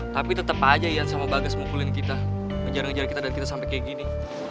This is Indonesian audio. tapi tetap aja ian sama bagas mukulin kita ngejar ngejar kita dan kita sampai kayak gini